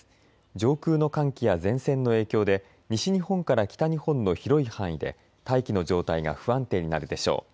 上空の寒気や前線の影響で西日本から北日本の広い範囲で大気の状態が不安定になるでしょう。